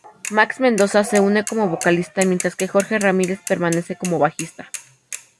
Maxx Mendoza se une como vocalista, mientras que Jorge Ramírez permanece como bajista.